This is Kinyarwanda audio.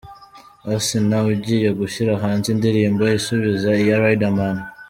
Asinah ugiye gushyira hanze indirimbo isubiza iya Riderman .